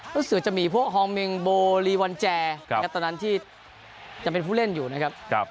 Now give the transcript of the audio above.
รู้สึกจะมีพวกฮองเมงโบลีวันแจตอนนั้นที่ยังเป็นผู้เล่นอยู่นะครับ